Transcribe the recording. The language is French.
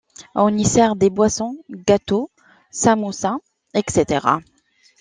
On y sert des boissons, gâteaux, samoussas, etc.